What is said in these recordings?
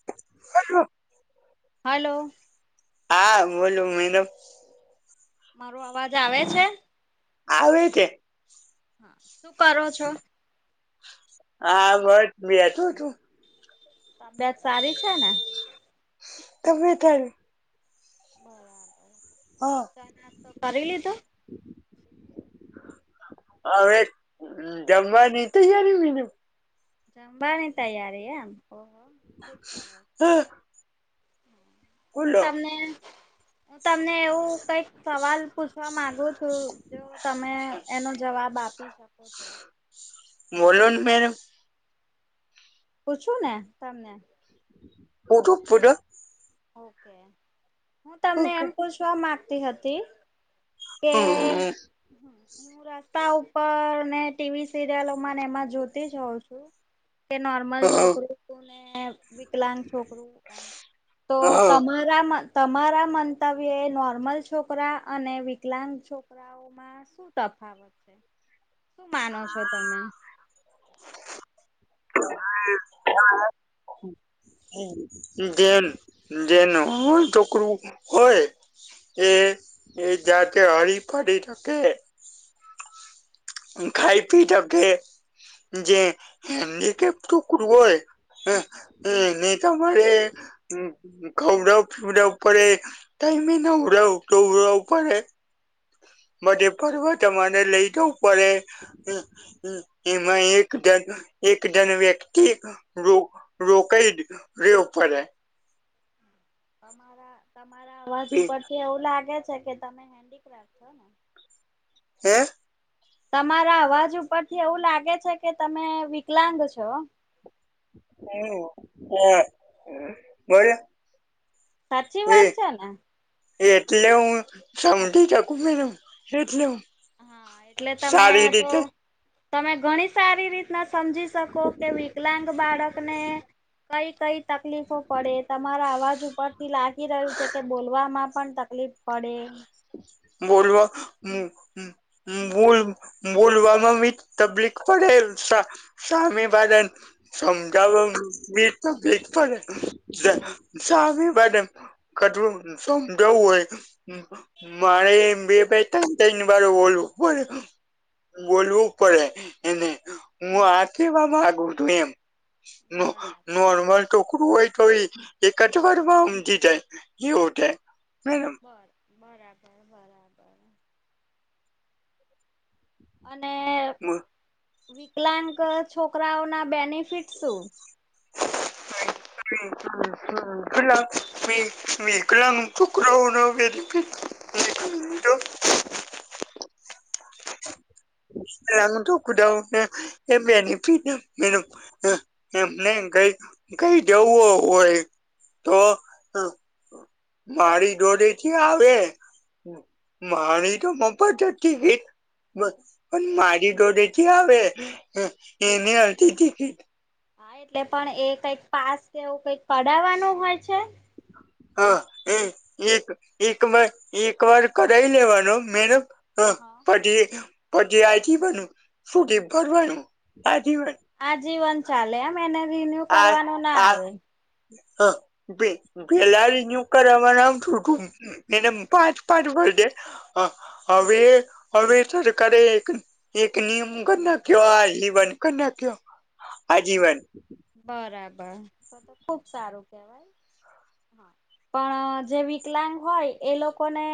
[inaudible] Hello. હા, બોલો madam. મારો અવાજ આવે છે? આવે છે. હા. શું કરો છો? હા, બસ બેઠો છું. તબિયત સારી છે ને? [inaudible] તબિયત હારી બરાબર. હા ચા-નાસ્તો કરી લીધો? હવે જમવાની તૈયારી મેડમ. જમવાની તૈયારી એમ? ઓહો, ખુબ સરસ. હા. હું બોલો તમને, હું તમને એવું કંઈક સવાલ પૂછવા માંગુ છું, જો તમે એનો જવાબ આપી શકો તો. બોલોન મેડમ. પૂછું ને તમને? ફૂધું ફૂદ ઓકે હું તમને ઓકે એમ પૂછવા માગતી હતી કેલ હમ હું રસ્તા ઉપર ને ટીવી સિરિયલોમાંને એમાં જોતી જઉં છું. કે નોર્મલ હા છોકરીઓને એમ વિકલાંગ છોકરું એમ. તો હા તમારામાં તમારા મંતવ્ય એ નોર્મલ છોકરા અને વિક કલાંગ છોકરાઓમાં શું તફાવત છે? શું માનો છો તમે હા. [inaudible] હા જેન જેન હો ચોકરું હોય એ એ જાતે હરી ફરી શકે ખાઈ પી તકે જે હેન્ડી કેપ ટુકડું હોય હ હ નહી તમારે ખવડાવું પીવડાવું પડે ટાઈમે નવડવું ધોવાળાવું પડે બધે પર્વ તમારે લઈ જવું પડે હમ એમાં એક જન એક જન વ્યક્તિ રોકાઈ રહેવું પડે તમારા તમારા અવાજ હે ઉપરથી એવું લાગે છે કે તમે હેન્ડીક્રાફ્ટ છો ને હે તમારા અવાજ ઉપરથી એવું લાગે છે કે તમે વિકલાંગ છો હમ હમ મળ્યા સાચી વાત છે ને એટલે હું સમજી શકુ ન એટલે હુ હા એટલે તમે તો તમે ઘણી સારી રીતે ના સમજી શકો કે વિકલાંગ બાળકને કઈ કઈ તકલીફો પડે તમારા અવાજ ઉપરથી લાગી રહ્યું છે કે બોલવામાં પણ તકલીફ પડે બોલવા હુ બોલવામાં બી તબલીફ પડે સામેવાળાને સમજાવી તો ભીજ પડે સામેવાળાને કટું સમજાવું હોય મારે એમ બે બે તન તન વાર બોલું પડે બોલવું પડે એને હું આ કહૅવા માંગુ છુ એમ બરાબર નોર્મલ ટોકરું હોય તો એક જવાર માં હમજી જાય એ હોતે બસ બરાબર બરાબર અને વિકલાંગ છોકરાઓના બેનિફિટ શું [unintelligible] વિકલાંગ. વિકલાંગ. છોકરાઓ નૉ બેનીફિટ હું એવું બધું કે એ બેનીફિટ એનૉ કાંઈક કઈ જવું હોય તો? મારી જોડે જે આવે. મારી તો મફત ટીકિત બસ. પણ મારી જોડે જ આવે એની અડધી ટીકીટ હા, એટલે પણ એ કઈક પાસ કેવું કઈક કઢાવાનું હોય છે? હા, એ એકવાર કઢાવી લેવાનો મેડમ હા પછી આજીવન બનું સુધી ભરવાનું આજ [unintelligible] આજીવન ચાલે આમ એને રિન્યુ આ કરવાનો આ આવે. હા પેલાનું એને પાંચ-પાંચ વરસે હવે હવે સરકારે એક નિયમ કરી નાખ્યો આજીવન કર નાખ્યો આજીવન. બરાબર, તો તો ખુબ સારું કેવાય. પણ જે વિકલાંગ હોય એ લોકોને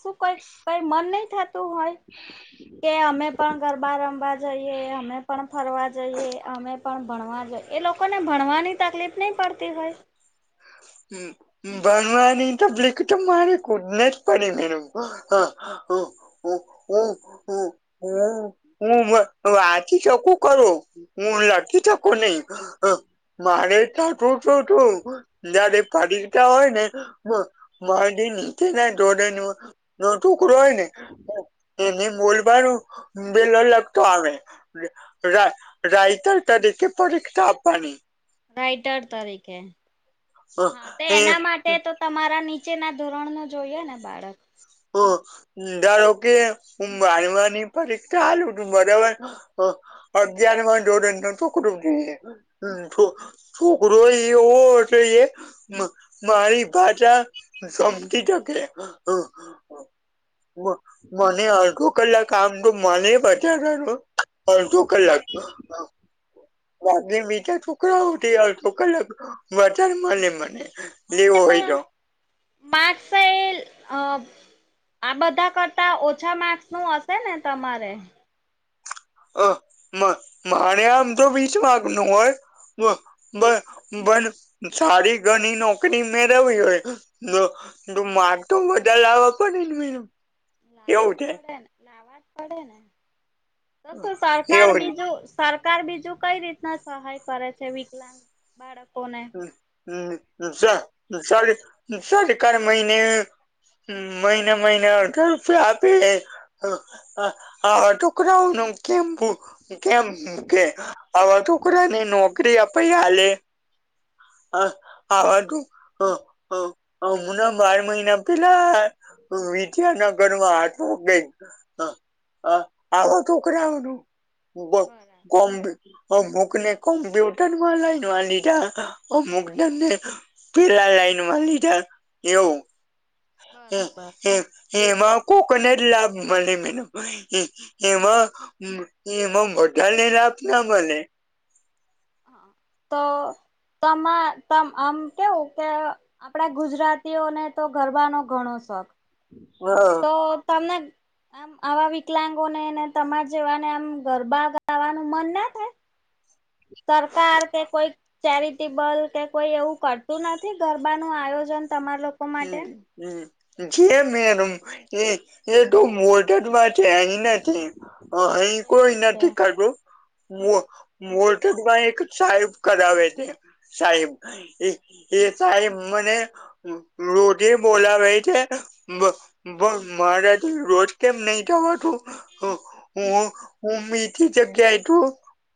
શું કઈ મન નહી થતું હોય? [inaudible] કે અમે પણ ગરબા રમવા જઈએ, અમે પણ ફરવા જઈએ, અમે પણ ભણવા જોઈએ એ લોકોને ભણવાની તકલીફ નહી પડતી હોય? હમ્મ. ભનવાની તો તકલીફ. [unintelligible] [unintelligible] [inaudible] હું વાંચી સકું ખરું. હું લખી શકું નહી. [unintelligible] [unintelligible] [unintelligible] [unintelligible] [unintelligible] [unintelligible] ટુકરો હોય ને એણે બોલવાનું [unintelligible] લગતો રાયતર તરીકે પરીક્ષા આપવાની રાઈટર તરીકે હા તો એ એના માટે એ તો તમારા નીચેના ધોરણના જોઈએ ને બાળક હા, ધારો કે હું બારમાની પરીક્ષા આપું તો બરાબર. અગયારમાં ધોરણનું જો છોકરું જો [unintelligible] [unintelligible] એ મારી પાસા સમજી શકે. [inaudible] મને અડધો કલાક આમ તો મને બજાર અડધો કલાક ન વા બીજા છોકરાઓથી આવ છોક બચાર મને મને હા તે લેવો હોય પણ તો માગસ એ આ બધા કરતા ઓછા માર્ક્સનું હશે ને તમારે? અને આમ તો વિસ માર્કનું હોય પણ પણ સારી ઘણી નોકરી મેળવી હોય તો તો માર્ક તો વધારે લાવવા પડે ને? લાવવા જ એવું છે. પડેને લાવવા જ પડે ને તો શું સરકાર એવું બીજું સરકાર બીજું કઈ રીતના સહાય કરે છે, વિકલાંગ બાળકોને? સરકાર મહિને મહિને-મહિને અઢારસો રૂપિયા આપે. આવા છોકરાઓને કેમ કેમ મૂકે આવા છોકરાને નોકરી અપાઈ મૂકે. અમના બાર મહિના પેલા વિદ્યાનગરમાં [unintelligible] કે હ હ આો તુકરા બરાબર અમૂક ને કોમ્પ્યુટરમાં લઈ આ લીધા. અમુક નામને પેલા લાઈનમાં લીધા એવું હમ બરાબર હમ [unintelligible] એમાં કોકોનટ લાભ મળે મ એમાં એમાં મોઢા લને લ આપ ના મને. તો તમા આમ કેવું કે આપણા ગુજરાતીઓને તો ગરબાનો ઘણો શોખ. હા. તો તમને. આમ આવા વિકલાંગોનેને તમાર જેવાને આમ ગરબા ગાવાનું મન ના થાય. સર સરકાર કે કોઈ. ચેરિટેબલ કે કોઈ એવું કરતું નથી ગરબાનું આયોજન તમાર લો હમ હમ જે મેર એ એ તો મોઢમાં છે એ નથી. હ અહી કોય એવું છે નથી [unintelligible] મો મોટદમાં એક સાહેબ કરાવે છે. સાહેબ એ એ સાહેબ મને રોજે બોલાવે છે, બ બ મારે તો રોજ કેમ નહી જવા તું હ હુ હુ મીથી જગ્યાએ તુ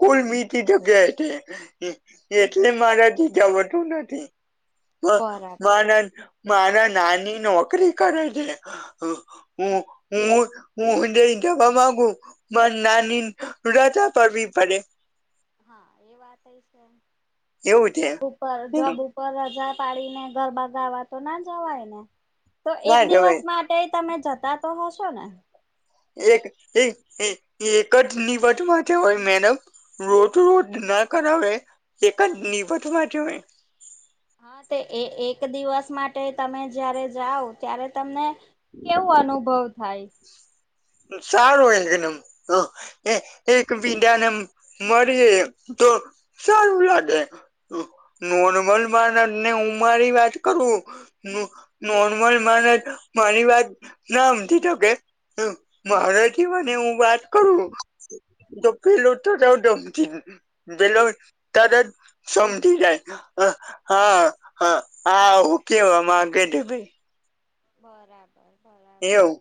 કુલ મીઠી જગ્યા છે, એટલે મારાથી જવાતું નથી મ બરાબર માના માના નાની નોકરી કરે છે. હ હું હું હું તેય કેવા માંગુ પણ નાની રજા પરવી પડે હા એ વાતય છે, એવું છે જોબ ઉપર જોબ પર રજા પાડીને ગરબા ગાવા તો ના જવાય ને તો એક ના જવાય દિવસમાં તે તમે જતા તો હશો ને? એક એક એક જ [unintelligible] રોદ રોદ ના કરાવે એક નિપધ [unintelligible] હા તે એ એક દિવસ માટે તમે જ્યારે જાઓ ત્યારે તમને કેવું અનુભવ થાય સારું હોય એકદમ હ એ એક બીજાને મળીએ તો સારું લાગે નોર્મલ માનને ઉમારી વાત કરું નુ નોર્મલ માર મારી વાત નામતી તો મારેથી મને હું વાત કરું તો પેલો ત દમ પેલો તરત સમજી જાય હા હા આવું કેવા માંગે [unintelligible] બરાબર બરાબર એવું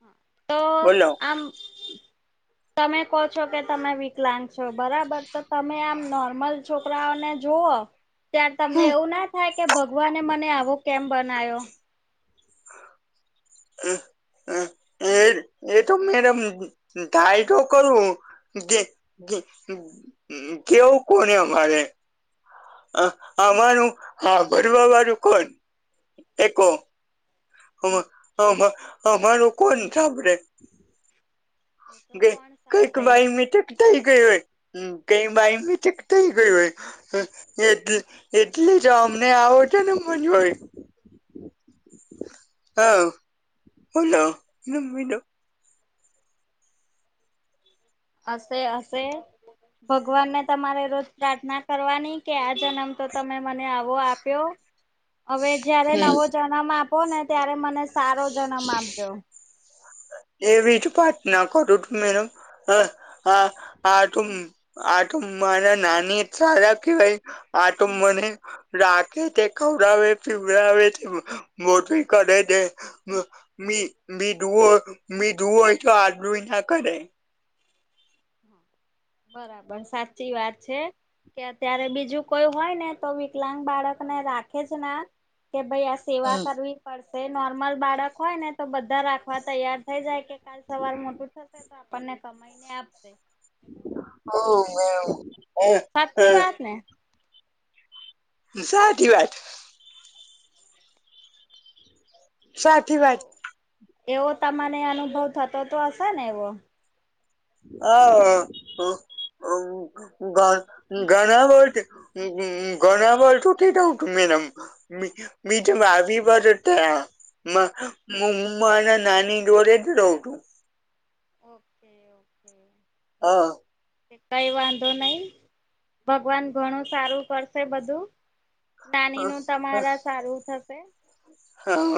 હા તો બોલો આમ તમે કહો છો કે તમે વિકલાંગ છો બરાબર તો તમે આમ નોર્મલ છોકરાઓને જોઓ તયાર તમને એવું ના થાય કે ભગવાને મને આવો કેમ બનાયો? [inaudible] એ એ તો મેડમ દાય તો કરું [unintelligible] કેવું કોને અમારે અ આમાનું હા ભરવા વાળું કોણ એ કહો અમ અમા અમારું કોણ સાંભળે એ તો ગે કોણ કંઈક સાંભળે બાઈ મિટેક થઇ ગઈ હોય હમ કે બાઈ મિટેક થઈ ગયું હોય એટલ એટલે જ અમને આવોજો ને મજ હોય. હા બોલો [unintelligible] અશે અશે ભગવાનને તમારે રોજ પ્રાર્થના કરવાની કે આ જન્મ તો તમે મને આવો આપ્યો હવે જયારે હમ નવો જન્મ આપો ને ત્યારે મને સારો જન્મ આપજો એવીજ પ્રાર્થના કરો મેનો હ આ આ [unintelligible] આટું મારા નાની સારા કેહવાય આટું મને રાખે તે ખવડાવે પીવડાવે તે મોટી કરે તે મી મી ધુવો મી ધુવોય તો આડુઈ ના કરાય બરાબર સાચી વાત છે. કે અત્યારે બીજું કોઈ હોય ને તો વિકલાંગ બાળક ને રાખેજ ના કે ભાઈ આ સેવા હમ કરવી પડશે નોર્મલ બાળક હોય ને તો બ ધા રાખવા તૈયાર થઇ જાય કે કાલ સવાર મોટું થશે તો આપણને કમાઈ ને આપશે હો મેઉ સાચી વાત ને? સાચી વાત. સાચી વાત એવ એવો તો મને અનુભવ થતો તો હશે ને એવો અ હ હ ગ ગણા બ ગણા બલ [inaudible] મીજમાં આવી પર ત્યાં હ મને નાની જોડેજ રહું છું. Okay okay. હા. કઈ વાંધો નહિ ભગવાન ઘણું સારું કરશે બધું નાની નું હા તમારા સારું થશે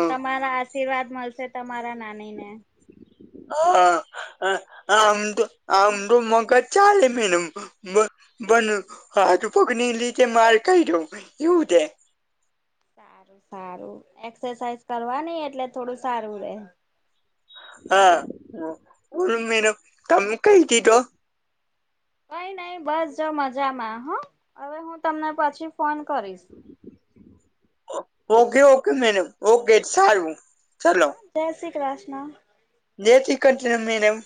તમારા આશીર્વાદ મળશે તમારા નાની ને. હા હ આમ તો આમ તો મગજ ચાલે મેડમ. બ બ હાથું પગની લીતે માર ક દ્યો એવું છે સારું સારું એક્સરસાઇઝ કરવાની એટલે થોડું સારું રહે. હા ઓ બોલો મેડમ તમે કઈ કીધો? કઈનઈ બસ જા મજામાં હ હવે હું તમને પછી ફોન કરીશ. ઓકે ઓકે મેડમ ઓકે હા સારું ચલો. જય શ્રી કૃષ્ણ. જય શ્રી કૃષ્ણ મેડમ.